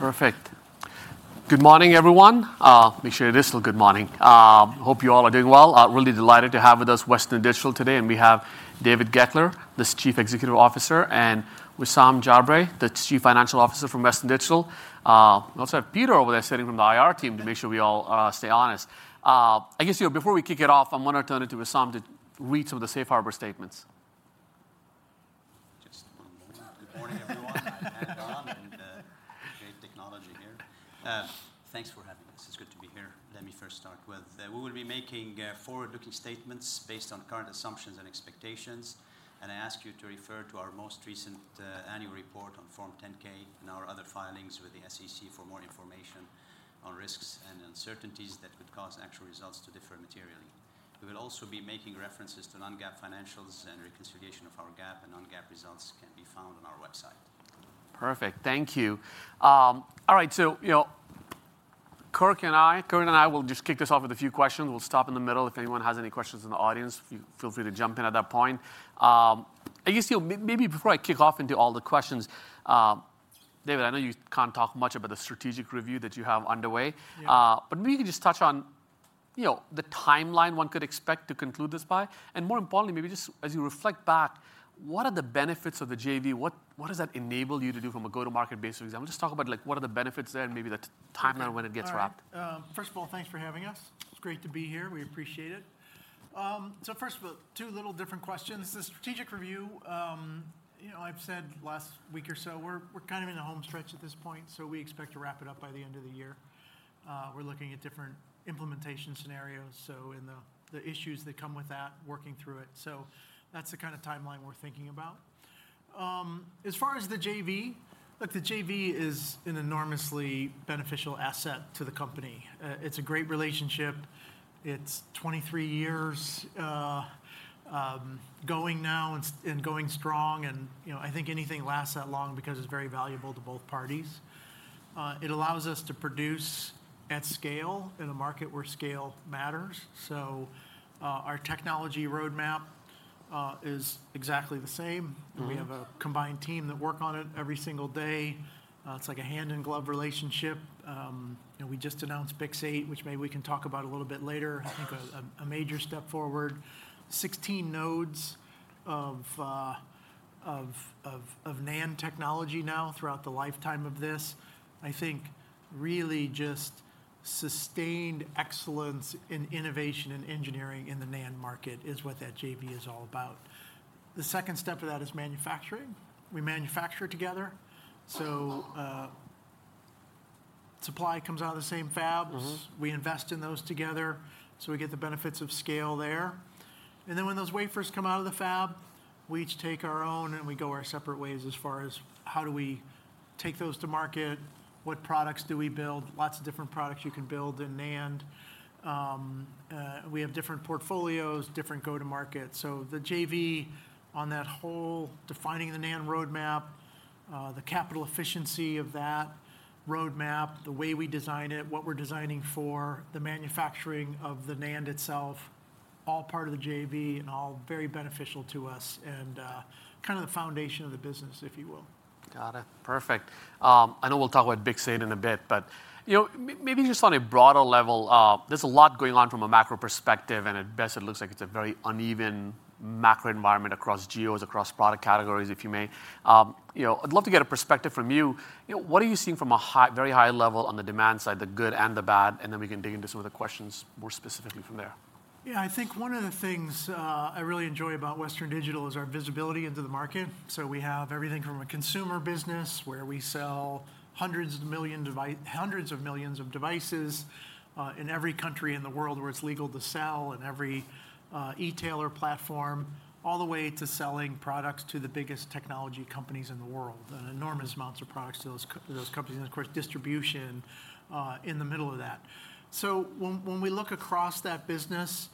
Perfect. Good morning, everyone. Make sure it is still good morning. Hope you all are doing well. Really delighted to have with us Western Digital today, and we have David Goeckeler, the Chief Executive Officer, and Wissam Jabre, the Chief Financial Officer from Western Digital. We also have Peter over there sitting from the IR team to make sure we all stay honest. I guess, you know, before we kick it off, I'm going to turn it to Wissam to read some of the safe harbor statements. Just one moment. Good morning, everyone. Hi, Ron, and great technology here. Thanks for having us. It's good to be here. Let me first start with, we will be making forward-looking statements based on current assumptions and expectations, and I ask you to refer to our most recent annual report on Form 10-K and our other filings with the SEC for more information on risks and uncertainties that could cause actual results to differ materially. We will also be making references to non-GAAP financials, and reconciliation of our GAAP and non-GAAP results can be found on our website. Perfect. Thank you. All right, so, you know, Kirk and I, Kirk and I will just kick this off with a few questions. We'll stop in the middle if anyone has any questions in the audience, feel free to jump in at that point. I guess, you know, maybe before I kick off into all the questions, David, I know you can't talk much about the strategic review that you have underway. Yeah. But maybe just touch on, you know, the timeline one could expect to conclude this by, and more importantly, maybe just as you reflect back, what are the benefits of the JV? What does that enable you to do from a go-to-market base, for example, just talk about, like, what are the benefits there and maybe the timeline when it gets wrapped? All right. First of all, thanks for having us. It's great to be here. We appreciate it. So first of all, two little different questions. The strategic review, you know, I've said last week or so, we're kind of in the home stretch at this point, so we expect to wrap it up by the end of the year. We're looking at different implementation scenarios, so in the issues that come with that, working through it. So that's the kind of timeline we're thinking about. As far as the JV, look, the JV is an enormously beneficial asset to the company. It's a great relationship. It's 23 years going now and going strong, and, you know, I think anything lasts that long because it's very valuable to both parties. It allows us to produce at scale in a market where scale matters, so our technology roadmap is exactly the same. Mm-hmm. And we have a combined team that work on it every single day. It's like a hand-in-glove relationship. And we just announced BiCS8, which maybe we can talk about a little bit later. I think a major step forward. 16 nodes of NAND technology now throughout the lifetime of this, I think really just sustained excellence in innovation and engineering in the NAND market is what that JV is all about. The second step of that is manufacturing. We manufacture together, so supply comes out of the same fabs. Mm-hmm. We invest in those together, so we get the benefits of scale there. And then when those wafers come out of the fab, we each take our own, and we go our separate ways as far as how do we take those to market, what products do we build? Lots of different products you can build in NAND. We have different portfolios, different go-to-market. So the JV on that whole defining the NAND roadmap, the capital efficiency of that roadmap, the way we design it, what we're designing for, the manufacturing of the NAND itself, all part of the JV and all very beneficial to us and, kind of the foundation of the business, if you will. Got it. Perfect. I know we'll talk about BiCS8 in a bit, but, you know, maybe just on a broader level, there's a lot going on from a macro perspective, and at best, it looks like it's a very uneven macro environment across geos, across product categories, if you may. You know, I'd love to get a perspective from you. You know, what are you seeing from a very high level on the demand side, the good and the bad, and then we can dig into some of the questions more specifically from there? Yeah, I think one of the things I really enjoy about Western Digital is our visibility into the market. So we have everything from a consumer business, where we sell hundreds of millions of devices in every country in the world where it's legal to sell, and every e-tailer platform, all the way to selling products to the biggest technology companies in the world, and enormous amounts of products to those companies, and of course, distribution in the middle of that. So when we look across that business,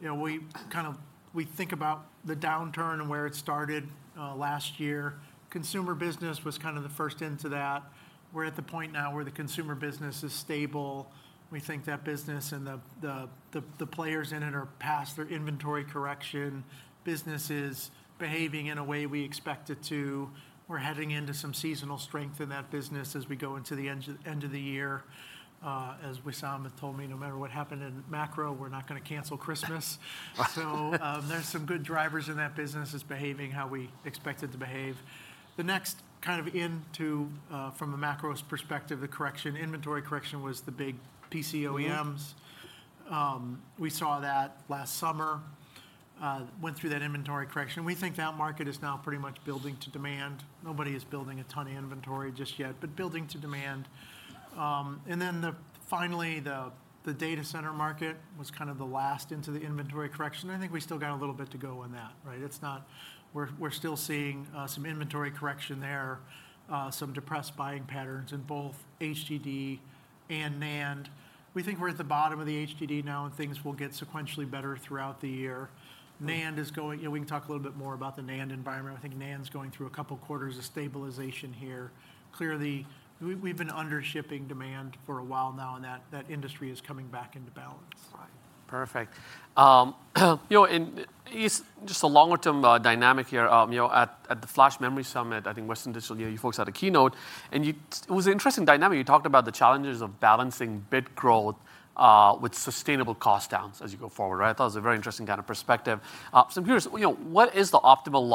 you know, we kind of think about the downturn and where it started last year. Consumer business was kind of the first into that. We're at the point now where the consumer business is stable. We think that business and the players in it are past their inventory correction. Business is behaving in a way we expect it to. We're heading into some seasonal strength in that business as we go into the end of the year. As Wissam has told me, no matter what happened in macro, we're not going to cancel Christmas. So, there's some good drivers in that business. It's behaving how we expect it to behave. From a macro perspective, the inventory correction was the big PC OEMs. Mm-hmm. We saw that last summer, went through that inventory correction. We think that market is now pretty much building to demand. Nobody is building a ton of inventory just yet, but building to demand. And then finally, the data center market was kind of the last into the inventory correction. I think we still got a little bit to go on that, right? We're still seeing some inventory correction there, some depressed buying patterns in both HDD and NAND. We think we're at the bottom of the HDD now, and things will get sequentially better throughout the year. Mm. NAND is going... You know, we can talk a little bit more about the NAND environment. I think NAND's going through a couple quarters of stabilization here. Clearly, we've been under shipping demand for a while now, and that industry is coming back into balance. Right. Perfect. You know, and it's just a longer-term dynamic here. You know, at the Flash Memory Summit, I think Western Digital, you know, you folks had a keynote, and it was an interesting dynamic. You talked about the challenges of balancing bit growth with sustainable cost downs as you go forward, right? I thought it was a very interesting kind of perspective. So I'm curious, you know, what is the optimal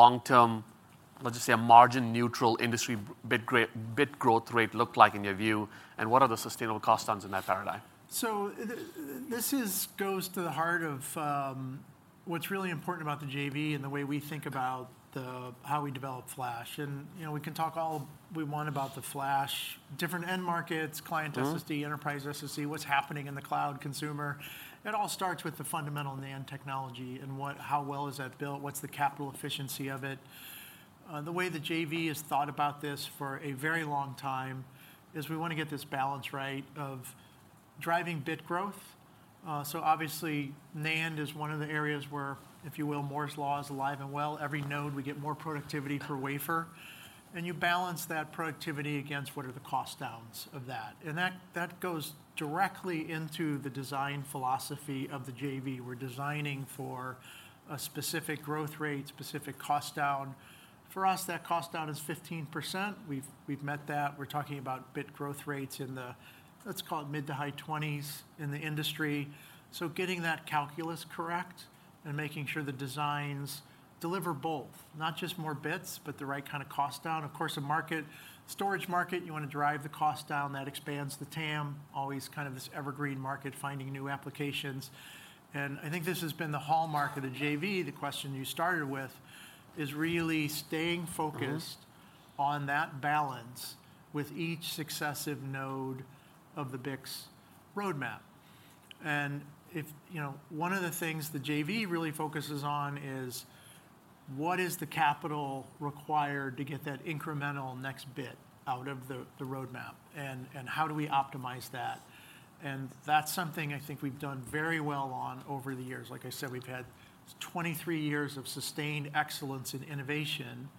long-term—let's just say, a margin-neutral industry bit growth rate look like in your view? And what are the sustainable cost downs in that paradigm? So this goes to the heart of what's really important about the JV and the way we think about how we develop flash. And, you know, we can talk all we want about the flash, different end markets... Mm-hmm. Client SSD, enterprise SSD, what's happening in the cloud, consumer. It all starts with the fundamental NAND technology and what, how well is that built, what's the capital efficiency of it? The way the JV has thought about this for a very long time is we want to get this balance right of driving bit growth. So obviously, NAND is one of the areas where, if you will, Moore's Law is alive and well. Every node, we get more productivity per wafer, and you balance that productivity against what are the cost downs of that. And that, that goes directly into the design philosophy of the JV. We're designing for a specific growth rate, specific cost down. For us, that cost down is 15%. We've, we've met that. We're talking about bit growth rates in the, let's call it, mid- to high 20s in the industry. So getting that calculus correct and making sure the designs deliver both, not just more bits, but the right kind of cost down. Of course, the storage market, you want to drive the cost down. That expands the TAM, always kind of this evergreen market, finding new applications, and I think this has been the hallmark of the JV. The question you started with is really staying focused... Mm-hmm. On that balance with each successive node of the BiCS roadmap. And if... You know, one of the things the JV really focuses on is what is the capital required to get that incremental next bit out of the, the roadmap, and, and how do we optimize that? And that's something I think we've done very well on over the years. Like I said, we've had 23 years of sustained excellence in innovation,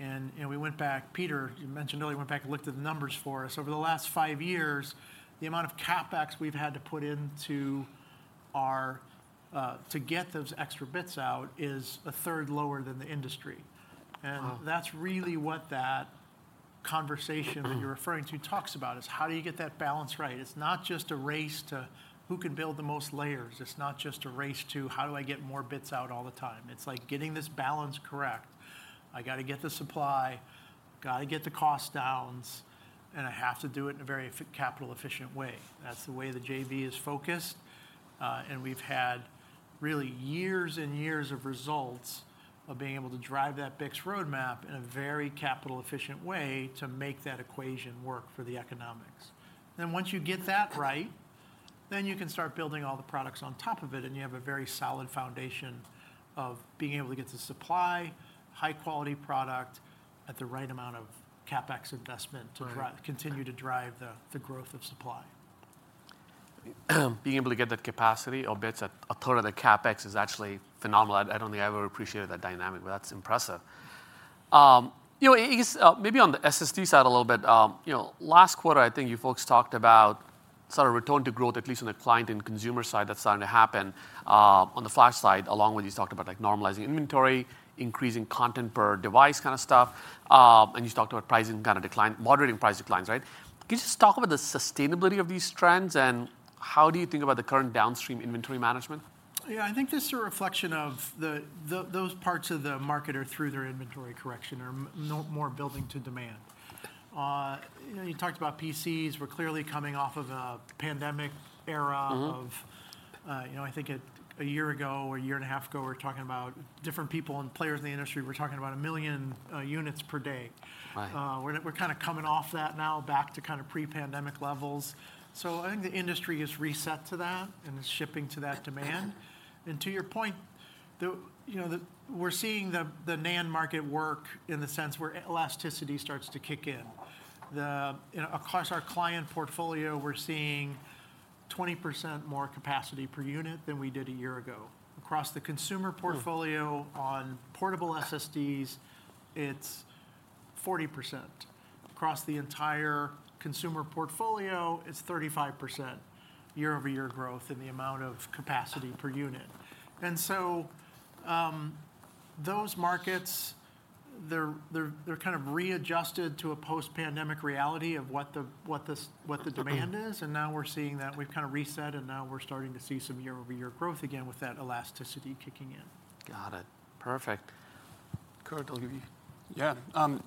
and, you know, we went back-- Peter, you mentioned earlier, went back and looked at the numbers for us. Over the last five years, the amount of CapEx we've had to put into our to get those extra bits out is a third lower than the industry. Wow! That's really what that conversation- Mm that you're referring to talks about, is how do you get that balance right? It's not just a race to who can build the most layers. It's not just a race to, How do I get more bits out all the time? It's like getting this balance correct. I got to get the supply, got to get the costs down, and I have to do it in a very capital efficient way. That's the way the JV is focused, and we've had really years and years of results of being able to drive that BiCS roadmap in a very capital efficient way to make that equation work for the economics. Once you get that right, then you can start building all the products on top of it, and you have a very solid foundation of being able to get the supply, high-quality product at the right amount of CapEx investment... Right To continue to drive the growth of supply. Being able to get that capacity or bits at a third of the CapEx is actually phenomenal. I, I don't think I ever appreciated that dynamic, but that's impressive. You know, I guess, maybe on the SSD side a little bit, you know, last quarter, I think you folks talked about sort of return to growth, at least on the client and consumer side, that's starting to happen, on the flash side, along with you talked about, like, normalizing inventory, increasing content per device kind of stuff. And you talked about pricing kind of decline, moderating price declines, right? Can you just talk about the sustainability of these trends, and how do you think about the current downstream inventory management? Yeah, I think this is a reflection of the... those parts of the market are through their inventory correction, are more building to demand. You know, you talked about PCs. We're clearly coming off of a pandemic era- Mm-hmm Of, you know, I think a year ago, or a year and a half ago, we were talking about different people and players in the industry. We were talking about 1 million units per day. Right. We're kind of coming off that now, back to kind of pre-pandemic levels. So I think the industry has reset to that and is shipping to that demand. And to your point, the, you know, we're seeing the NAND market work in the sense where elasticity starts to kick in. You know, across our client portfolio, we're seeing 20% more capacity per unit than we did a year ago. Across the consumer portfolio- Mm On portable SSDs, it's 40%. Across the entire consumer portfolio, it's 35% year-over-year growth in the amount of capacity per unit. And so, those markets, they're kind of readjusted to a post-pandemic reality of what the, what this- Mm What the demand is, and now we're seeing that we've kind of reset, and now we're starting to see some year-over-year growth again with that elasticity kicking in. Got it. Perfect. Cody, I'll give you- Yeah,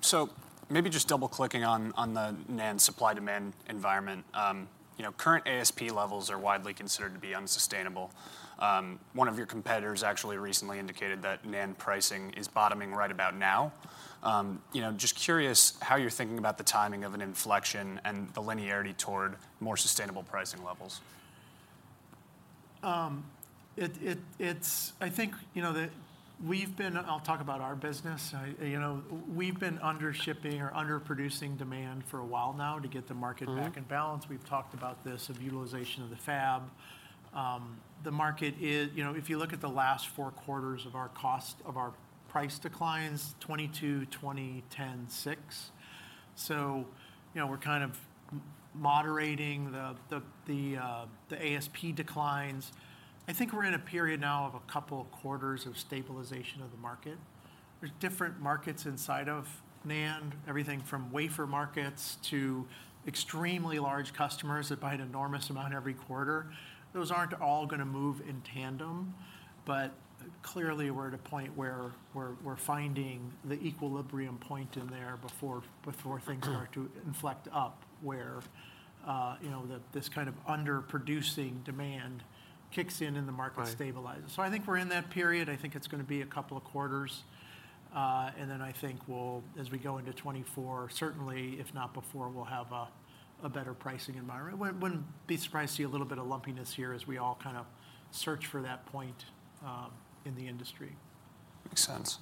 so maybe just double-clicking on the NAND supply-demand environment. You know, current ASP levels are widely considered to be unsustainable. One of your competitors actually recently indicated that NAND pricing is bottoming right about now. You know, just curious how you're thinking about the timing of an inflection and the linearity toward more sustainable pricing levels. It's, I think, you know, that we've been... I'll talk about our business. You know, we've been under shipping or underproducing demand for a while now to get the market- Mm-hmm Back in balance. We've talked about this, of utilization of the fab. The market is—you know, if you look at the last four quarters of our cost, of our price declines, 22, 20, 10, 6. So, you know, we're kind of moderating the ASP declines. I think we're in a period now of a couple of quarters of stabilization of the market. There's different markets inside of NAND, everything from wafer markets to extremely large customers that buy an enormous amount every quarter, those aren't all gonna move in tandem. But clearly, we're at a point where we're finding the equilibrium point in there before things start to inflect up, where you know, this kind of underproducing demand kicks in, and the market stabilizes. Right. So I think we're in that period. I think it's gonna be a couple of quarters, and then I think we'll, as we go into 2024, certainly, if not before, we'll have a, a better pricing environment. Wouldn't, wouldn't be surprised to see a little bit of lumpiness here as we all kind of search for that point, in the industry. Makes sense.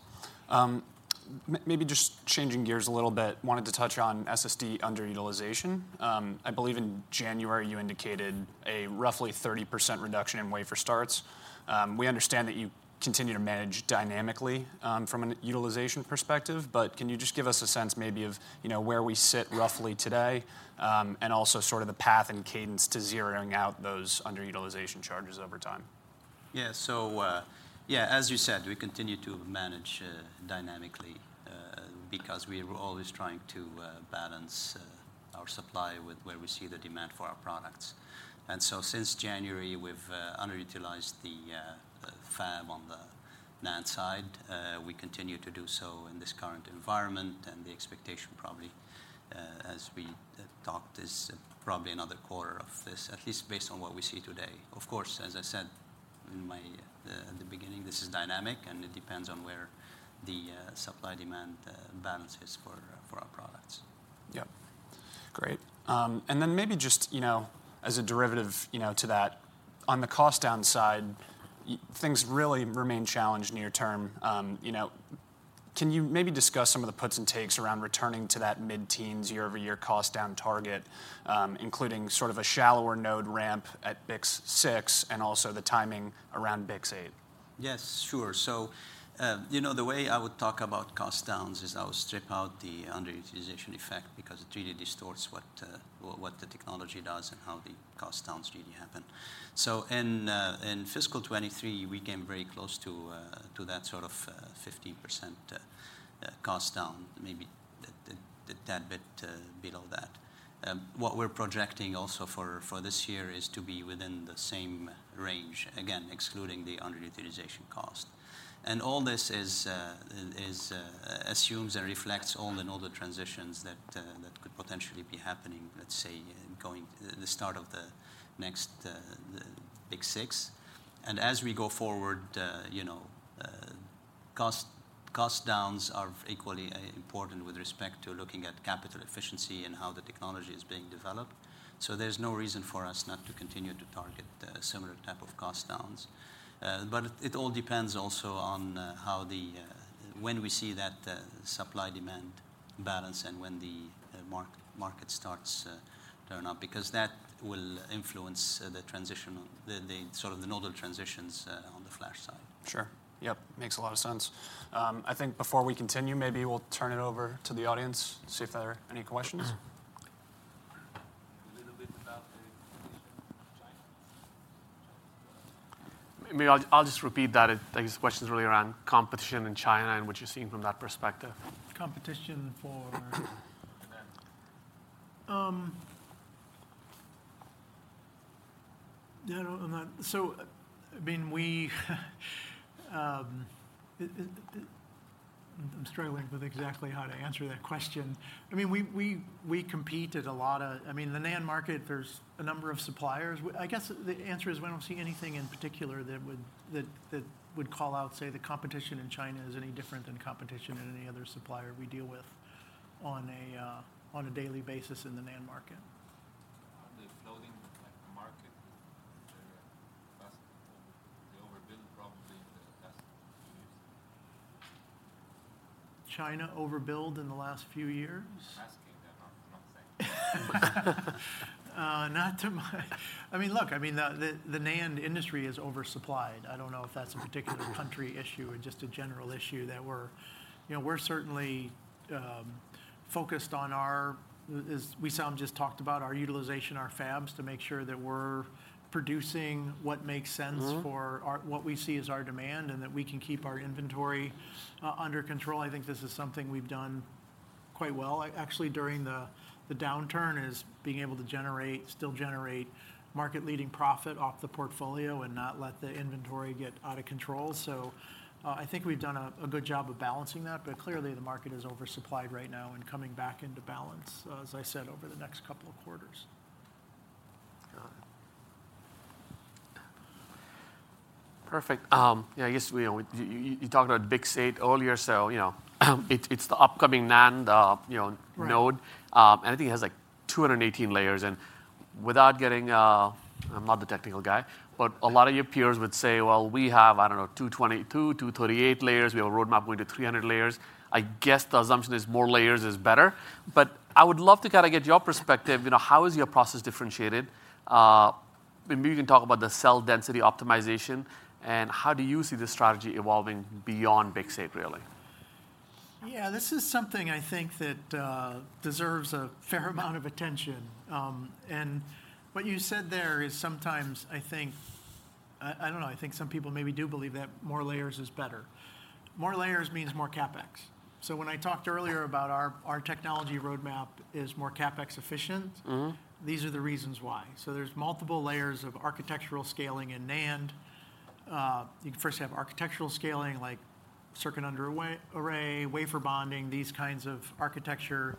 Maybe just changing gears a little bit, wanted to touch on SSD underutilization. I believe in January, you indicated a roughly 30% reduction in wafer starts. We understand that you continue to manage dynamically, from an utilization perspective, but can you just give us a sense maybe of, you know, where we sit roughly today, and also sort of the path and cadence to zeroing out those underutilization charges over time? Yeah. So, yeah, as you said, we continue to manage dynamically, because we are always trying to balance our supply with where we see the demand for our products. And so since January, we've underutilized the fab on the NAND side. We continue to do so in this current environment, and the expectation probably, as we talked, is probably another quarter of this, at least based on what we see today. Of course, as I said in my at the beginning, this is dynamic, and it depends on where the supply-demand balance is for our products. Yep. Great. And then maybe just, you know, as a derivative, you know, to that, on the cost down side, things really remain challenged near term. You know, can you maybe discuss some of the puts and takes around returning to that mid-teens year-over-year cost down target, including sort of a shallower node ramp at BiCS6, and also the timing around BiCS8? Yes, sure. So, you know, the way I would talk about cost downs is I would strip out the underutilization effect because it really distorts what the technology does and how the cost downs really happen. So in fiscal 2023, we came very close to that sort of 15% cost down, maybe a tad bit below that. What we're projecting also for this year is to be within the same range, again, excluding the underutilization cost. And all this assumes and reflects all the node transitions that could potentially be happening, let's say, in going, the start of the next BiCS6. As we go forward, you know, cost downs are equally important with respect to looking at capital efficiency and how the technology is being developed. So there's no reason for us not to continue to target similar type of cost downs. But it all depends also on how, when we see that supply-demand balance and when the market starts to turn up because that will influence the transition, sort of the nodal transitions on the flash side. Sure. Yep, makes a lot of sense. I think before we continue, maybe we'll turn it over to the audience, see if there are any questions. A little bit about the competition in China. Maybe I'll, I'll just repeat that. I guess the question's really around competition in China and what you're seeing from that perspective. Competition for? NAND. Yeah, I'm not-- I mean, we, it, it... I'm struggling with exactly how to answer that question. I mean, we compete at a lot of-- I mean, the NAND market, there's a number of suppliers. I guess the answer is we don't see anything in particular that would, that would call out, say, the competition in China is any different than competition in any other supplier we deal with on a daily basis in the NAND market. On the flooding like, market, the past couple... They overbuild probably in the last few years. China overbuild in the last few years? I'm asking them. I'm not saying. I mean, look, I mean, the NAND industry is oversupplied. I don't know if that's a particular country issue or just a general issue that we're... You know, we're certainly focused on our, as Wissam just talked about, our utilization, our fabs, to make sure that we're producing what makes sense... Mm-hmm For our, what we see as our demand, and that we can keep our inventory under control. I think this is something we've done quite well. Actually, during the downturn, is being able to still generate market-leading profit off the portfolio and not let the inventory get out of control. So, I think we've done a good job of balancing that, but clearly, the market is oversupplied right now and coming back into balance, as I said, over the next couple of quarters. Got it. Perfect. Yeah, I guess, you know, you, you talked about BiCS8 earlier, so, you know, it's, it's the upcoming NAND, you know... Right Node. And I think it has, like, 218 layers, and without getting... I'm not the technical guy, but a lot of your peers would say: Well, we have, I don't know, 222, 238 layers. We have a roadmap going to 300 layers. I guess the assumption is more layers is better. But I would love to kind of get your perspective, you know, how is your process differentiated? Maybe you can talk about the cell density optimization, and how do you see this strategy evolving beyond BiCS8, really? Yeah, this is something I think that deserves a fair amount of attention. And what you said there is sometimes I don't know, I think some people maybe do believe that more layers is better. More layers means more CapEx. So when I talked earlier about our technology roadmap is more CapEx efficient- Mm-hmm. These are the reasons why. So there's multiple layers of architectural scaling in NAND. You first have architectural scaling, like Circuit Under Array, wafer bonding, these kinds of architecture.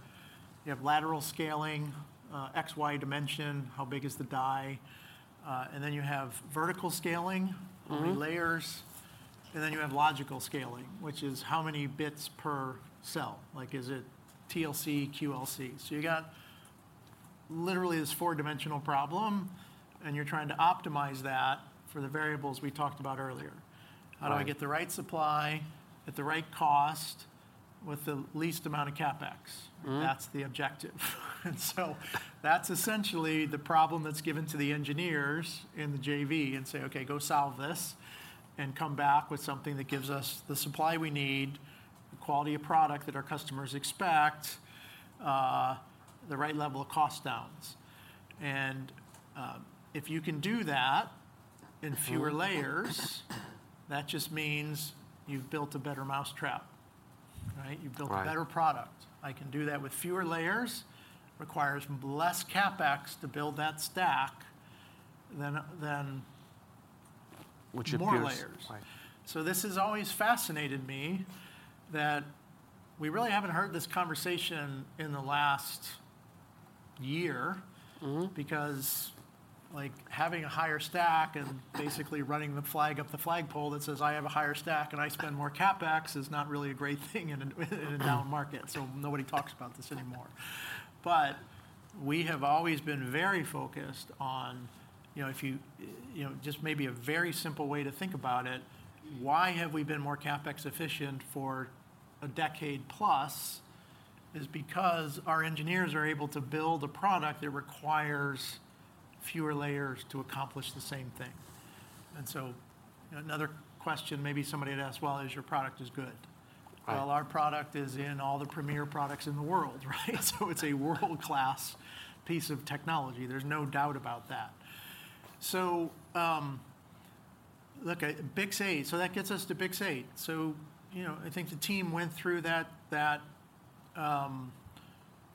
You have lateral scaling, XY dimension, how big is the die? And then you have vertical scaling... Mm-hmm. or layers, and then you have logical scaling, which is how many bits per cell? Like, is it TLC, QLC? So you got literally this four-dimensional problem, and you're trying to optimize that for the variables we talked about earlier. Right. How do I get the right supply, at the right cost, with the least amount of CapEx? Mm-hmm. That's the objective. And so that's essentially the problem that's given to the engineers in the JV and say: "Okay, go solve this, and come back with something that gives us the supply we need, the quality of product that our customers expect, the right level of cost downs." And, if you can do that in fewer layers, that just means you've built a better mousetrap, right? Right. You've built a better product. I can do that with fewer layers, requires less CapEx to build that stack than... Which appears... More layers. Right. This has always fascinated me, that we really haven't heard this conversation in the last year. Mm-hmm. Because, like, having a higher stack and basically running the flag up the flagpole that says, "I have a higher stack and I spend more CapEx" is not really a great thing in a down market, so nobody talks about this anymore. But we have always been very focused on, you know, if you, you know, just maybe a very simple way to think about it, why have we been more CapEx efficient for a decade plus? Is because our engineers are able to build a product that requires fewer layers to accomplish the same thing. And so another question maybe somebody had asked, well, is your product good? Right. Well, our product is in all the premier products in the world, right? So it's a world-class piece of technology. There's no doubt about that. So, look at BiCS8, so that gets us to BiCS8. So, you know, I think the team went through that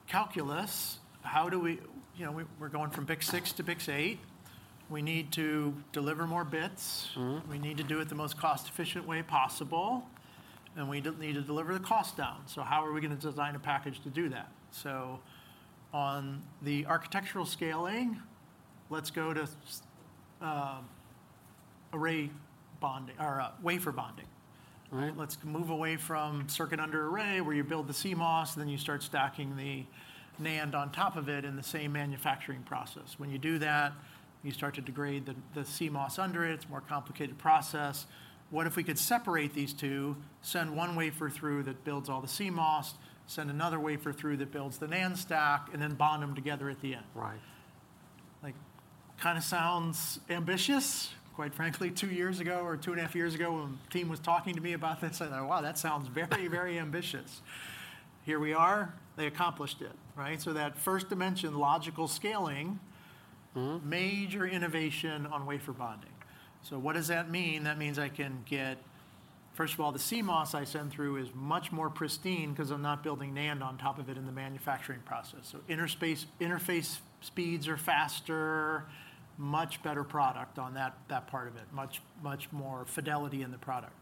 calculus. How do we? You know, we're going from BiCS6 to BiCS8. We need to deliver more bits. Mm-hmm. We need to do it the most cost-efficient way possible, and we need to deliver the cost down. So how are we gonna design a package to do that? So on the architectural scaling, let's go to array bonding or wafer bonding. Right. Let's move away from Circuit Under Array, where you build the CMOS, and then you start stacking the NAND on top of it in the same manufacturing process. When you do that, you start to degrade the CMOS under it. It's a more complicated process. What if we could separate these two, send one wafer through that builds all the CMOS, send another wafer through that builds the NAND stack, and then bond them together at the end? Right. Like, kind of sounds ambitious. Quite frankly, 2 years ago or 2.5 years ago, when the team was talking to me about this, I said, "Wow, that sounds very, very ambitious." Here we are. They accomplished it, right? So that first dimension, logical scaling... Mm-hmm Major innovation on wafer bonding. So what does that mean? That means I can get... First of all, the CMOS I send through is much more pristine because I'm not building NAND on top of it in the manufacturing process. So interface speeds are faster, much better product on that, that part of it. Much, much more fidelity in the product.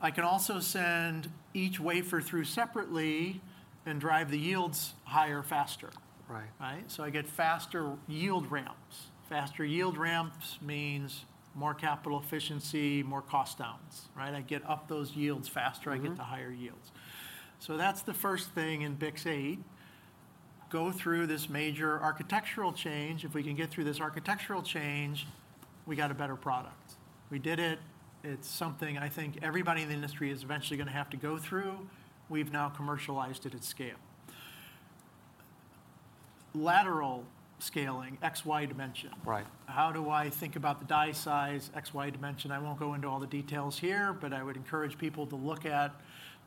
I can also send each wafer through separately and drive the yields higher, faster. Right. Right? So I get faster yield ramps. Faster yield ramps means more capital efficiency, more cost downs, right? I get up those yields faster- Mm-hmm. I get to higher yields. So that's the first thing in BiCS8: go through this major architectural change. If we can get through this architectural change, we got a better product. We did it. It's something I think everybody in the industry is eventually gonna have to go through. We've now commercialized it at scale. Lateral scaling, XY dimension. Right. How do I think about the die size, XY dimension? I won't go into all the details here, but I would encourage people to look at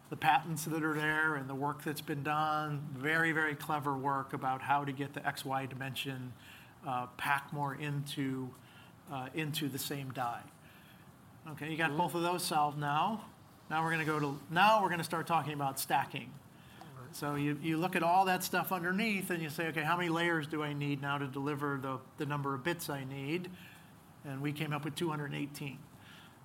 the patents that are there and the work that's been done. Very, very clever work about how to get the XY dimension, pack more into, into the same die. Okay- Yeah You got both of those solved now. Now, we're gonna start talking about stacking. All right. So you look at all that stuff underneath, and you say: "Okay, how many layers do I need now to deliver the number of bits I need?" And we came up with 218.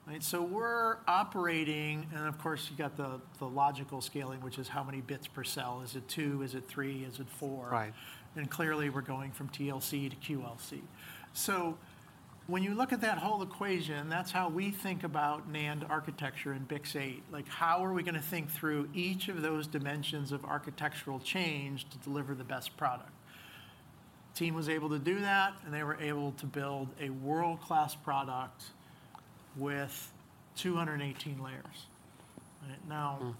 Right, so we're operating... And of course, you got the logical scaling, which is how many bits per cell. Is it two? Is it three? Is it four? Right. And clearly, we're going from TLC to QLC. So when you look at that whole equation, that's how we think about NAND architecture in BiCS8. Like, how are we gonna think through each of those dimensions of architectural change to deliver the best product? Team was able to do that, and they were able to build a world-class product with 218 layers. Right? Now- Mm...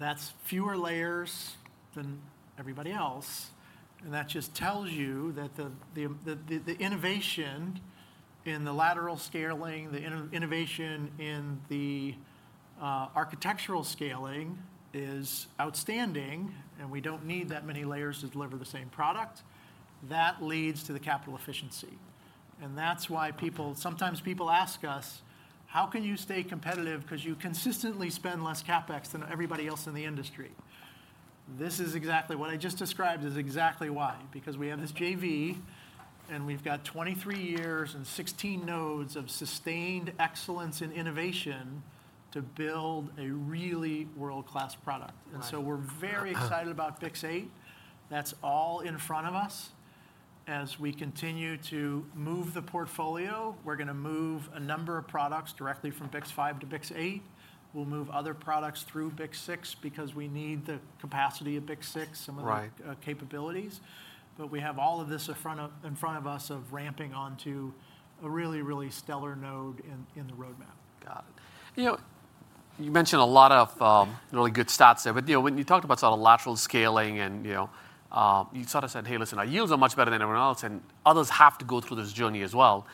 that's fewer layers than everybody else, and that just tells you that the innovation in the lateral scaling, the innovation in architectural scaling is outstanding, and we don't need that many layers to deliver the same product. That leads to the capital efficiency, and that's why people sometimes ask us: How can you stay competitive? 'Cause you consistently spend less CapEx than everybody else in the industry. This is exactly what I just described is exactly why. Because we have this JV, and we've got 23 years and 16 nodes of sustained excellence in innovation to build a really world-class product. Right. And so we're very excited about BiCS8. That's all in front of us. As we continue to move the portfolio, we're going to move a number of products directly from BiCS5 to BiCS8. We'll move other products through BiCS6 because we need the capacity of BiCS6- Right. Some of the capabilities. But we have all of this in front of us of ramping onto a really, really stellar node in the roadmap. Got it. You know, you mentioned a lot of, really good stats there, but, you know, when you talked about sort of lateral scaling and, you know, you sort of said, "Hey, listen, our yields are much better than everyone else, and others have to go through this journey as well."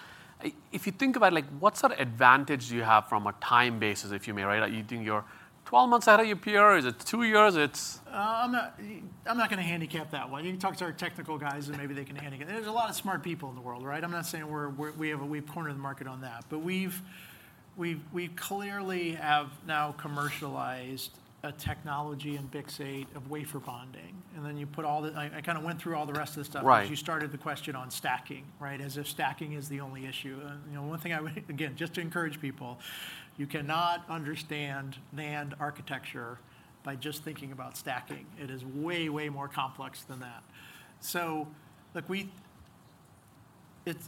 If you think about it, like, what sort of advantage do you have from a time basis, if you may, right? Are you think you're 12 months ahead of your peer, or is it two years? It's- I'm not, I'm not going to handicap that way. You can talk to our technical guys, and maybe they can handicap it. There's a lot of smart people in the world, right? I'm not saying we're we have a corner of the market on that. But we've we clearly have now commercialized a technology in BiCS8 of wafer bonding, and then you put all the... I kind of went through all the rest of the stuff- Right. because you started the question on stacking, right? As if stacking is the only issue. And, you know, one thing I would, again, just to encourage people, you cannot understand NAND architecture by just thinking about stacking. It is way, way more complex than that. So look, we, it's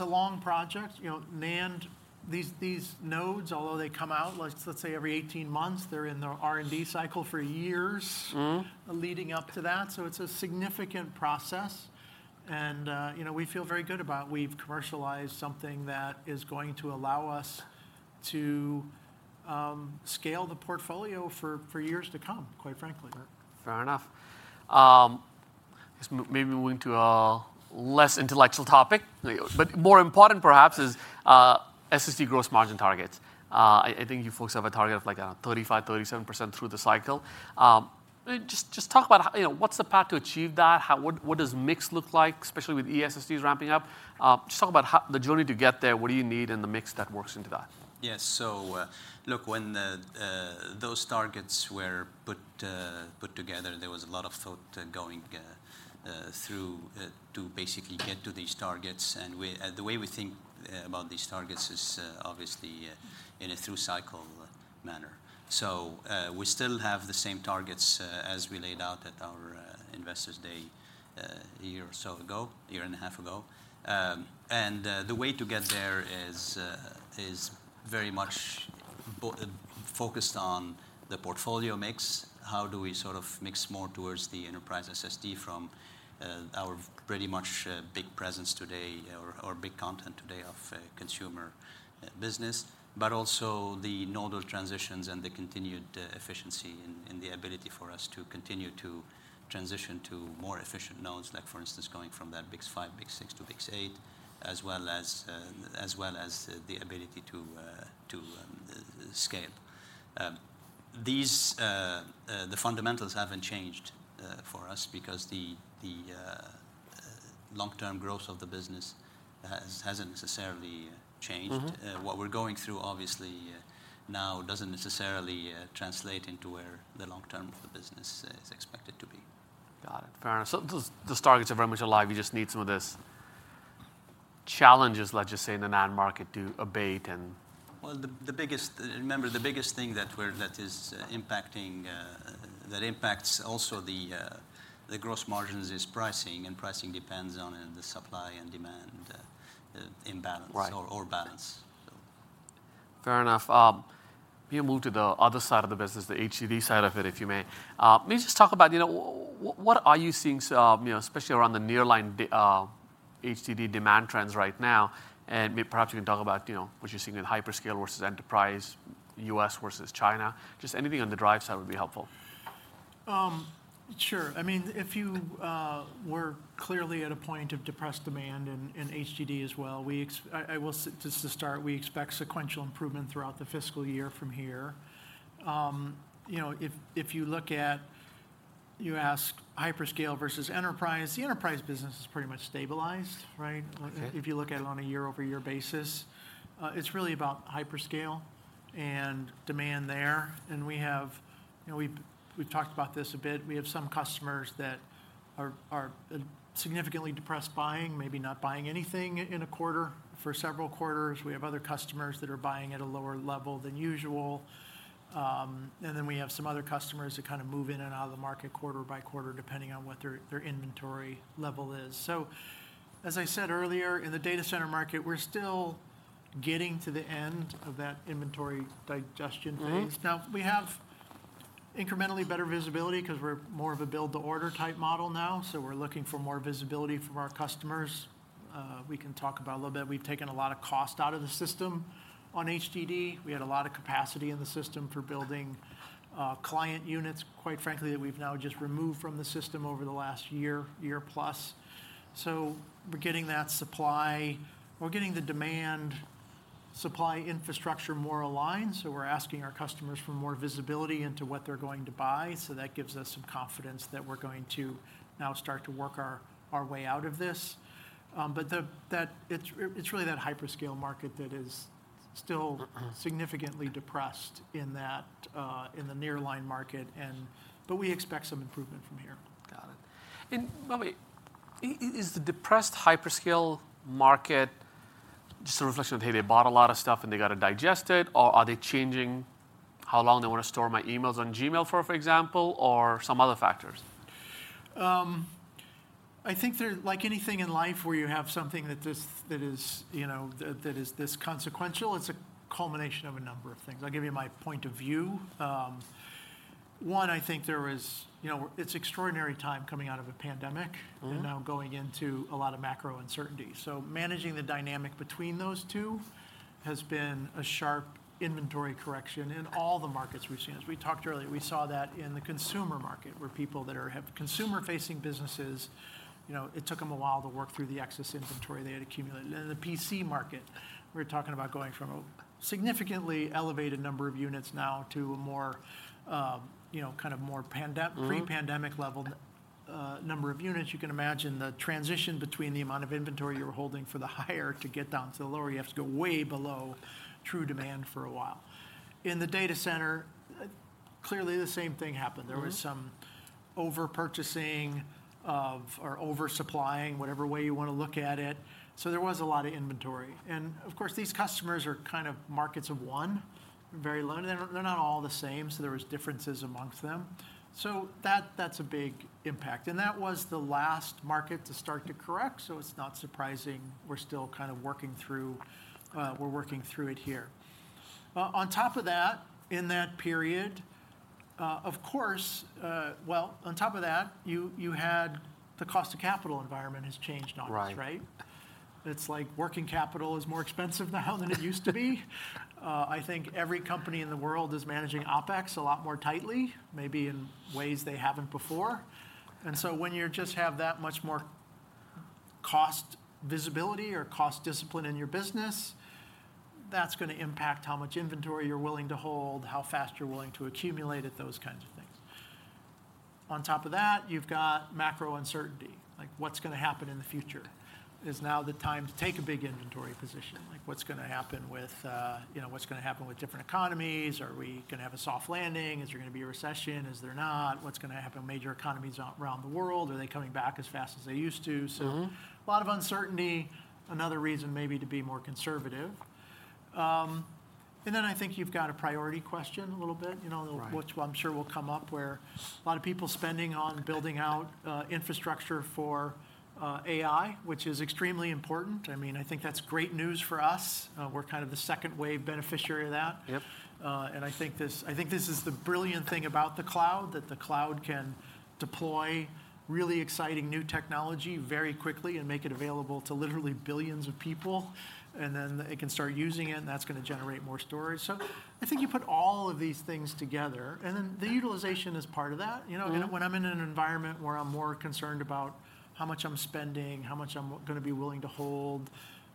a long project, you know, NAND, these nodes, although they come out, let's say, every 18 months, they're in the R&D cycle for years- Mm-hmm. Leading up to that. So it's a significant process, and, you know, we feel very good about we've commercialized something that is going to allow us to scale the portfolio for years to come, quite frankly. Fair enough. I guess maybe moving to a less intellectual topic, but more important perhaps, is SSD gross margin targets. I think you folks have a target of, like, 35%-37% through the cycle. Just talk about how—you know, what's the path to achieve that? How—what does mix look like, especially with eSSDs ramping up? Just talk about how—the journey to get there, what do you need, and the mix that works into that? Yes. So, look, when those targets were put together, there was a lot of thought going through to basically get to these targets. And the way we think about these targets is obviously in a through-cycle manner. So, we still have the same targets as we laid out at our Investors Day a year or so ago, a year and a half ago. And the way to get there is very much focused on the portfolio mix. How do we sort of mix more towards the enterprise SSD from our pretty much big presence today or big content today of consumer business, but also the nodal transitions and the continued efficiency and the ability for us to continue to transition to more efficient nodes, like, for instance, going from that BiCS5, BiCS6 to BiCS8, as well as the ability to scale. These fundamentals haven't changed for us because the long-term growth of the business hasn't necessarily changed. Mm-hmm. What we're going through, obviously, now doesn't necessarily translate into where the long term of the business is expected to be. Got it. Fair enough. So those, those targets are very much alive. You just need some of these challenges, let's just say, in the NAND market to abate and- Well, the biggest... Remember, the biggest thing that we're—that is impacting, that impacts also the gross margins, is pricing, and pricing depends on the supply and demand imbalance- Right Or balance, so. Fair enough. Maybe move to the other side of the business, the HDD side of it, if you may. Let me just talk about, you know, what, what are you seeing, so, you know, especially around the nearline HDD demand trends right now, and perhaps you can talk about, you know, what you're seeing in hyperscale versus enterprise, U.S. versus China. Just anything on the drive side would be helpful. Sure. I mean, if you, we're clearly at a point of depressed demand in HDD as well. I will say just to start, we expect sequential improvement throughout the fiscal year from here. You know, if you look at—you ask hyperscale versus enterprise, the enterprise business is pretty much stabilized, right? Okay. If you look at it on a year-over-year basis, it's really about hyperscale and demand there. And we have... You know, we've talked about this a bit. We have some customers that are significantly depressed buying, maybe not buying anything in a quarter for several quarters. We have other customers that are buying at a lower level than usual. And then we have some other customers that kind of move in and out of the market quarter by quarter, depending on what their inventory level is. So, as I said earlier, in the data center market, we're still getting to the end of that inventory digestion phase. Mm-hmm. Now, we have incrementally better visibility because we're more of a build-to-order type model now, so we're looking for more visibility from our customers. We can talk about a little bit. We've taken a lot of cost out of the system on HDD. We had a lot of capacity in the system for building client units, quite frankly, that we've now just removed from the system over the last year, year plus. So we're getting that supply, we're getting the demand, supply infrastructure more aligned, so we're asking our customers for more visibility into what they're going to buy, so that gives us some confidence that we're going to now start to work our, our way out of this. But that—it's really that hyperscale market that is still significantly depressed in the nearline market, but we expect some improvement from here. Got it. And Bob, is the depressed hyperscale market just a reflection of, hey, they bought a lot of stuff and they got to digest it, or are they changing how long they want to store my emails on Gmail, for example, or some other factors? I think there—like anything in life where you have something that just—that is, you know, that, that is this consequential, it's a culmination of a number of things. I'll give you my point of view. One, I think there is, you know, it's extraordinary time coming out of a pandemic- Mm-hmm. And now going into a lot of macro uncertainty. So managing the dynamic between those two has been a sharp inventory correction in all the markets we've seen. As we talked earlier, we saw that in the consumer market, where people that have consumer-facing businesses, you know, it took them a while to work through the excess inventory they had accumulated. In the PC market, we're talking about going from a significantly elevated number of units now to a more, you know, kind of more pandem- Mm-hmm Pre-pandemic level, number of units. You can imagine the transition between the amount of inventory you were holding for the higher to get down to the lower, you have to go way below true demand for a while. In the data center, clearly, the same thing happened. Mm-hmm. There was some over-purchasing of or oversupplying, whatever way you want to look at it, so there was a lot of inventory. Of course, these customers are kind of markets of one, very limited. They're not all the same, so there was differences among them. That's a big impact, and that was the last market to start to correct, so it's not surprising we're still kind of working through, we're working through it here. On top of that, in that period, of course... Well, on top of that, you had the cost of capital environment has changed on us. Right. Right? It's like working capital is more expensive now than it used to be. I think every company in the world is managing OpEx a lot more tightly, maybe in ways they haven't before. And so when you just have that much more cost visibility or cost discipline in your business, that's going to impact how much inventory you're willing to hold, how fast you're willing to accumulate it, those kinds of things. On top of that, you've got macro uncertainty, like what's going to happen in the future? Is now the time to take a big inventory position? Like, what's going to happen with, you know, what's going to happen with different economies? Are we going to have a soft landing? Is there going to be a recession? Is there not? What's going to happen to major economies around the world? Are they coming back as fast as they used to? Mm-hmm. A lot of uncertainty, another reason maybe to be more conservative. Then I think you've got a priority question a little bit, you know- Right Which I'm sure will come up, where a lot of people spending on building out, infrastructure for, AI, which is extremely important. I mean, I think that's great news for us. We're kind of the second wave beneficiary of that. Yep. And I think this, I think this is the brilliant thing about the cloud, that the cloud can deploy really exciting new technology very quickly and make it available to literally billions of people, and then they can start using it, and that's going to generate more storage. So I think you put all of these things together, and then the utilization is part of that. Mm-hmm. You know, when I'm in an environment where I'm more concerned about how much I'm spending, how much I'm going to be willing to hold,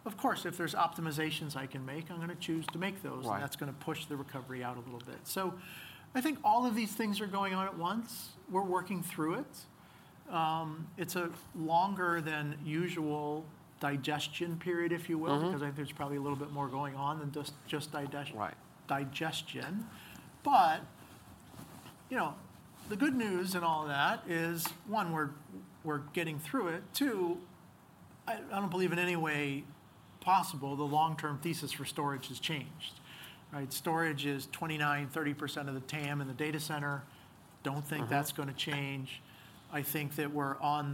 of course, if there's optimizations I can make, I'm going to choose to make those. Right. That's going to push the recovery out a little bit. So I think all of these things are going on at once. We're working through it. It's a longer-than-usual digestion period, if you will- Mm-hmm Because I think there's probably a little bit more going on than just digest- Right Digestion. But, you know, the good news in all of that is, one, we're, we're getting through it. Two, I, I don't believe in any way possible the long-term thesis for storage has changed, right? Storage is 29%-30% of the TAM in the data center. Mm-hmm. Don't think that's going to change. I think that we're on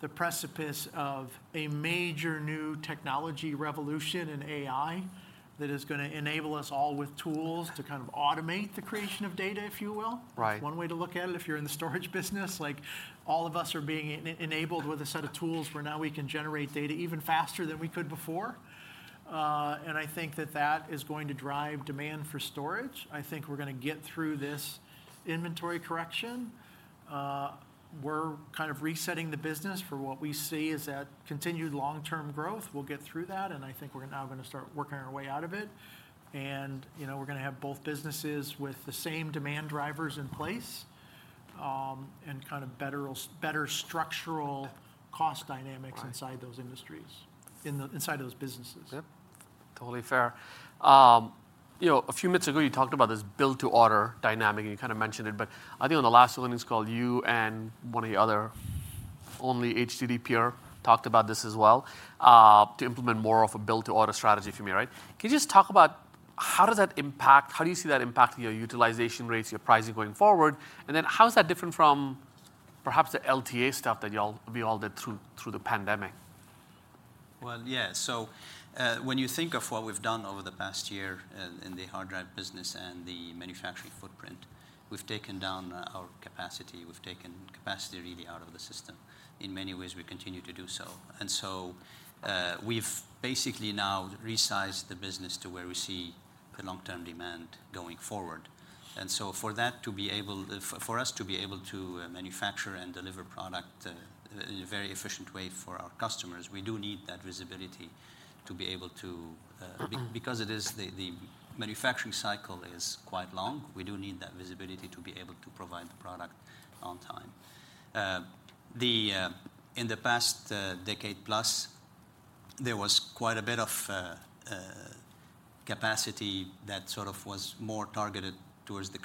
the precipice of a major new technology revolution in AI, that is going to enable us all with tools to kind of automate the creation of data, if you will. Right. That's one way to look at it if you're in the storage business, like all of us are being enabled with a set of tools where now we can generate data even faster than we could before. I think that that is going to drive demand for storage. I think we're going to get through this inventory correction. We're kind of resetting the business for what we see as that continued long-term growth. We'll get through that, and I think we're now going to start working our way out of it. You know, we're going to have both businesses with the same demand drivers in place, and kind of better structural cost dynamics- Right Inside those industries, inside those businesses. Yep. Totally fair. You know, a few minutes ago, you talked about this build-to-order dynamic, and you kind of mentioned it, but I think on the last earnings call, you and one of the other only HDD peer talked about this as well, to implement more of a build-to-order strategy for me, right? Can you just talk about how does that impact, how do you see that impacting your utilization rates, your pricing going forward? And then, how is that different from perhaps the LTA stuff that y'all, we all did through the pandemic? Well, yeah. So, when you think of what we've done over the past year in the hard drive business and the manufacturing footprint, we've taken down our capacity. We've taken capacity really out of the system. In many ways, we continue to do so. And so, we've basically now resized the business to where we see the long-term demand going forward. And so for that to be able, for us to be able to manufacture and deliver product in a very efficient way for our customers, we do need that visibility to be able to. Mm-hmm Because the manufacturing cycle is quite long. We do need that visibility to be able to provide the product on time. In the past decade plus, there was quite a bit of capacity that sort of was more targeted towards the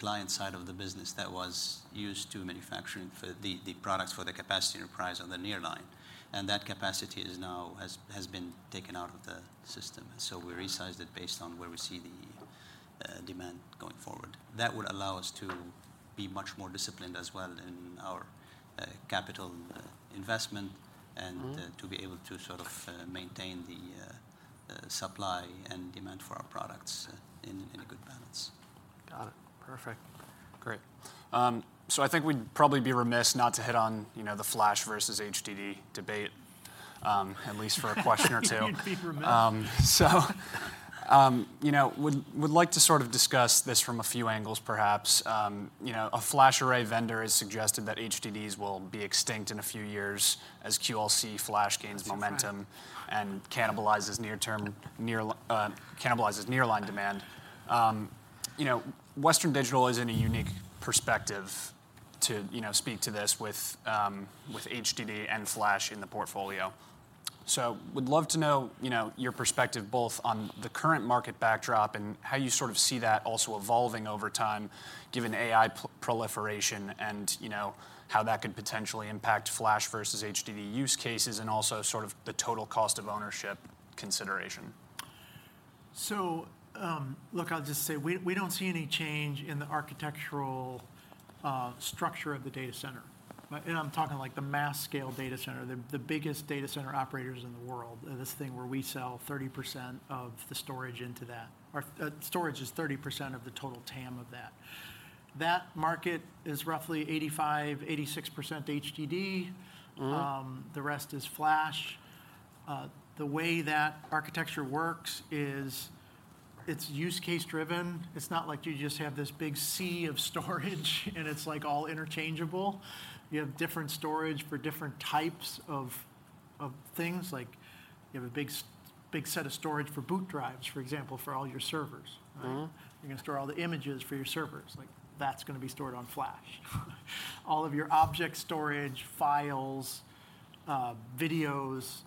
client side of the business that was used to manufacturing for the products for the capacity enterprise on the nearline. And that capacity now has been taken out of the system. So we resized it based on where we see the demand going forward. That would allow us to be much more disciplined as well in our capital investment... Mm-hmm And, to be able to sort of, maintain the, supply and demand for our products, in, in a good balance. Got it. Perfect. Great. So I think we'd probably be remiss not to hit on, you know, the flash versus HDD debate, at least for a question or two. You'd be remiss. So, you know, would like to sort of discuss this from a few angles, perhaps. You know, a flash array vendor has suggested that HDDs will be extinct in a few years as QLC flash gains momentum. That's right And cannibalizes near-term, nearline demand. You know, Western Digital is in a unique perspective to, you know, speak to this with HDD and flash in the portfolio. So would love to know, you know, your perspective both on the current market backdrop and how you sort of see that also evolving over time, given AI proliferation and, you know, how that could potentially impact flash versus HDD use cases, and also sort of the total cost of ownership consideration. So, look, I'll just say, we don't see any change in the architectural structure of the data center. And I'm talking, like, the mass-scale data center, the biggest data center operators in the world, this thing where we sell 30% of the storage into that, or, storage is 30% of the total TAM of that. That market is roughly 85%-86% HDD. Mm-hmm. The rest is flash. The way that architecture works is it's use case driven. It's not like you just have this big sea of storage, and it's, like, all interchangeable. You have different storage for different types of things, like you have a big set of storage for boot drives, for example, for all your servers, right? Mm-hmm. You're going to store all the images for your servers, like, that's going to be stored on flash. All of your object storage, files, videos,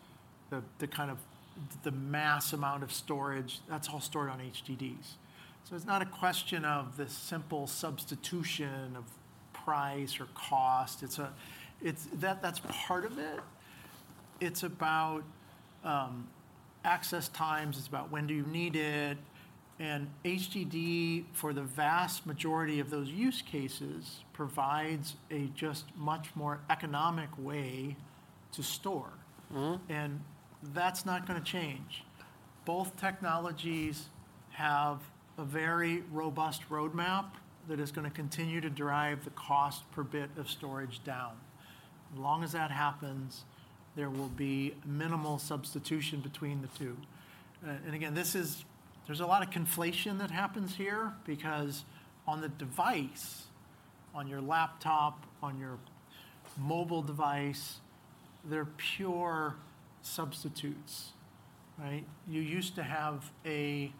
the kind of the mass amount of storage, that's all stored on HDDs. So it's not a question of the simple substitution of price or cost. It's that, that's part of it. It's about access times, it's about when do you need it? And HDD, for the vast majority of those use cases, provides a just much more economic way to store. Mm-hmm. And that's not going to change. Both technologies have a very robust roadmap that is going to continue to drive the cost per bit of storage down. As long as that happens, there will be minimal substitution between the two. And again, there's a lot of conflation that happens here because on the device, on your laptop, on your mobile device, they're pure substitutes, right? You used to have a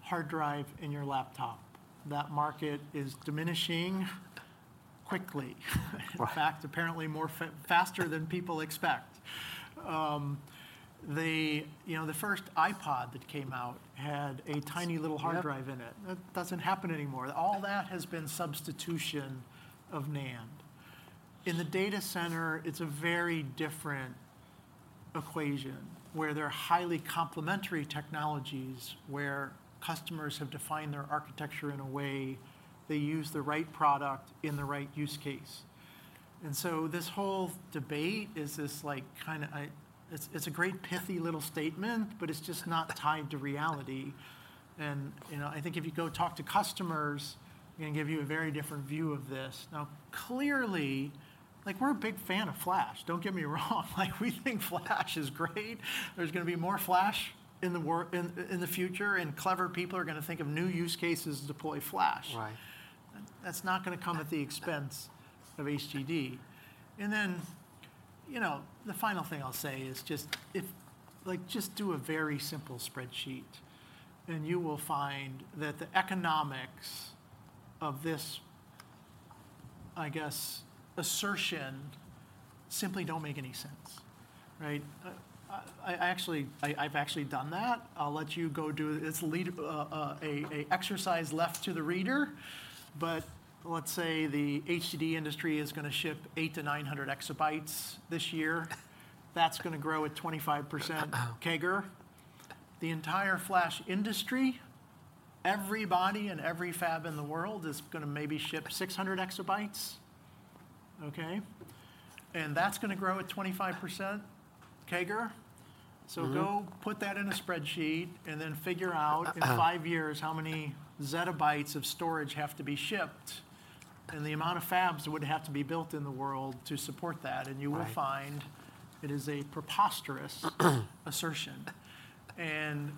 hard drive in your laptop. That market is diminishing quickly, Right. In fact, apparently faster than people expect. You know, the first iPod that came out had a tiny little hard drive in it. Yep. That doesn't happen anymore. Mm-hmm. All that has been substitution of NAND. In the data center, it's a very different equation, where there are highly complementary technologies, where customers have defined their architecture in a way they use the right product in the right use case. And so this whole debate is this like, kind of, it's a great, pithy little statement, but it's just not tied to reality. And, you know, I think if you go talk to customers, they're going to give you a very different view of this. Now, clearly, like, we're a big fan of flash. Don't get me wrong. Like, we think flash is great. There's going to be more flash in the future, and clever people are going to think of new use cases to deploy flash. Right. That's not going to come at the expense of HDD. And then, you know, the final thing I'll say is just if... like, just do a very simple spreadsheet, and you will find that the economics of this, I guess, assertion simply don't make any sense, right? I've actually done that. I'll let you go do... It's an exercise left to the reader. But let's say the HDD industry is going to ship 800-900 exabytes this year. That's going to grow at 25% CAGR. The entire flash industry, everybody and every fab in the world, is going to maybe ship 600 exabytes, okay? And that's going to grow at 25% CAGR. Mm-hmm. So go put that in a spreadsheet, and then figure out in five years how many zettabytes of storage have to be shipped, and the amount of fabs that would have to be built in the world to support that, and you... Right will find it is a preposterous assertion. And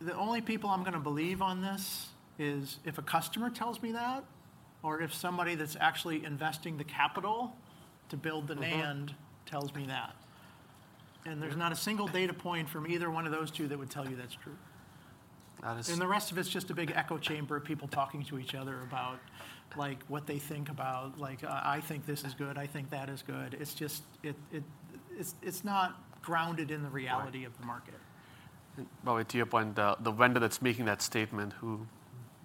the only people I'm going to believe on this is if a customer tells me that, or if somebody that's actually investing the capital to build the NAND Mm-hmm Tells me that. Yeah. There's not a single data point from either one of those two that would tell you that's true. That is... The rest of it's just a big echo chamber of people talking to each other about, like, what they think about, like, "I think this is good. I think that is good." It's just not grounded in the reality... Right of the market. David, to your point, the vendor that's making that statement, who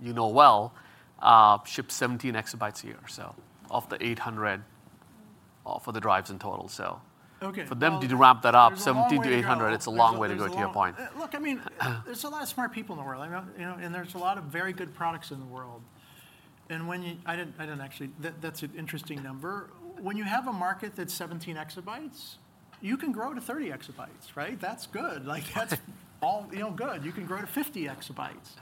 you know well, ships 17 exabytes a year, so of the 800, for the drives in total, so- Okay, well... For them to ramp that up, 17-800... There's a long way to go. It's a long way to go to your point. Look, I mean, there's a lot of smart people in the world. I know, you know, and there's a lot of very good products in the world, and I didn't actually. That's an interesting number. When you have a market that's 17 exabytes, you can grow to 30 exabytes, right? That's good. Like, that's. Right All, you know, good. You can grow to 50 exabytes.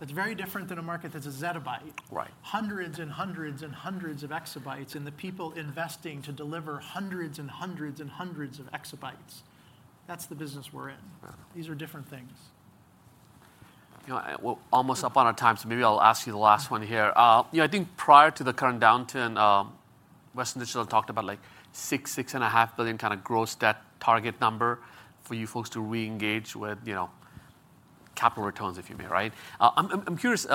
That's very different than a market that's a zettabyte. Right. Hundreds, and hundreds, and hundreds of exabytes, and the people investing to deliver hundreds, and hundreds, and hundreds of exabytes. That's the business we're in. Yeah. These are different things. You know, we're almost up on our time, so maybe I'll ask you the last one here. You know, I think prior to the current downturn, Western Digital talked about, like, $6-$6.5 billion kind of gross debt target number for you folks to re-engage with, you know, capital returns, if you may, right? I'm curious,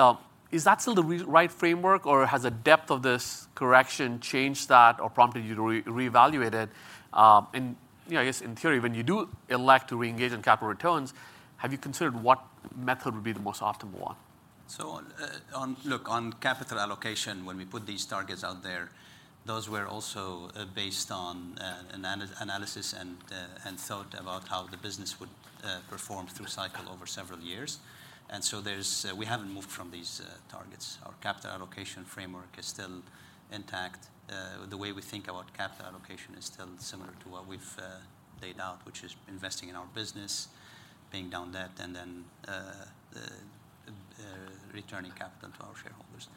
is that still the right framework, or has the depth of this correction changed that or prompted you to reevaluate it? And, you know, I guess in theory, when you do elect to re-engage in capital returns, have you considered what method would be the most optimal one? Look, on capital allocation, when we put these targets out there, those were also based on an analysis and thought about how the business would perform through cycle over several years. We haven't moved from these targets. Our capital allocation framework is still intact. The way we think about capital allocation is still similar to what we've laid out, which is investing in our business, paying down debt, and then returning capital to our shareholders.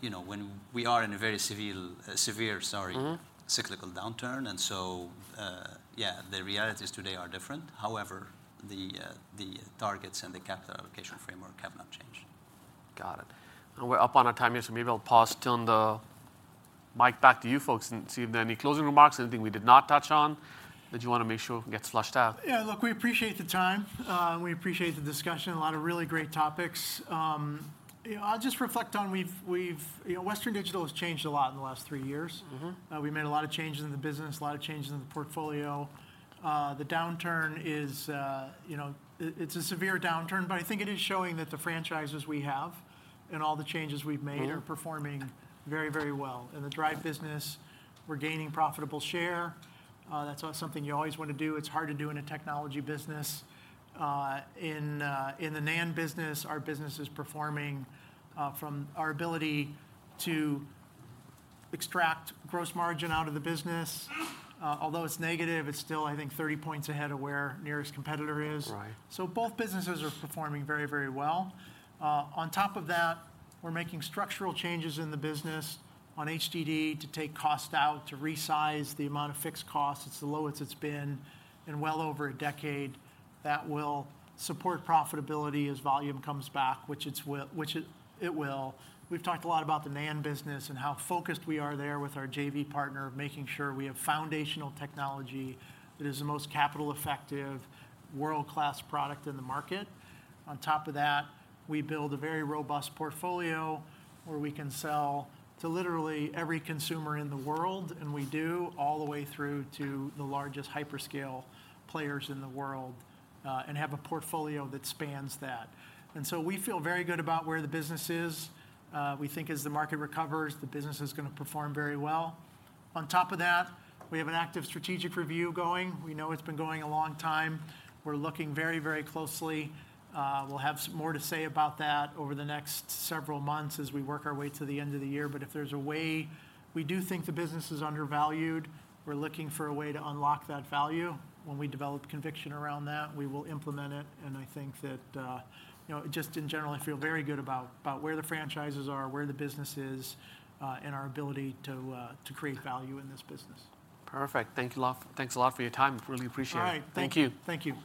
You know, we are in a very civil, severe, sorry- Mm-hmm Cyclical downturn, and so, yeah, the realities today are different. However, the, the targets and the capital allocation framework have not changed. Got it. We're up on our time here, so maybe I'll pass the mic back to you folks and see if there are any closing remarks, anything we did not touch on that you want to make sure gets fleshed out. Yeah, look, we appreciate the time, and we appreciate the discussion. A lot of really great topics. You know, I'll just reflect on we've... You know, Western Digital has changed a lot in the last three years. Mm-hmm. We've made a lot of changes in the business, a lot of changes in the portfolio. The downturn is, you know, it's a severe downturn, but I think it is showing that the franchises we have and all the changes we've made... Mm-hmm Are performing very, very well. In the drive business, we're gaining profitable share. That's something you always want to do. It's hard to do in a technology business. In the NAND business, our business is performing from our ability to extract gross margin out of the business. Although it's negative, it's still, I think, 30 points ahead of where nearest competitor is. Right. So both businesses are performing very, very well. On top of that, we're making structural changes in the business on HDD, to take cost out, to resize the amount of fixed costs. It's the lowest it's been in well over a decade. That will support profitability as volume comes back, which it will. We've talked a lot about the NAND business and how focused we are there with our JV partner, making sure we have foundational technology that is the most capital-effective, world-class product in the market. On top of that, we build a very robust portfolio where we can sell to literally every consumer in the world, and we do, all the way through to the largest hyperscale players in the world, and have a portfolio that spans that. And so we feel very good about where the business is. We think as the market recovers, the business is going to perform very well. On top of that, we have an active strategic review going. We know it's been going a long time. We're looking very, very closely. We'll have some more to say about that over the next several months as we work our way to the end of the year, but if there's a way. We do think the business is undervalued. We're looking for a way to unlock that value. When we develop conviction around that, we will implement it, and I think that, you know, just in general, I feel very good about, about where the franchises are, where the business is, and our ability to, to create value in this business. Perfect. Thanks a lot for your time. Really appreciate it. All right. Thank you. Thank you.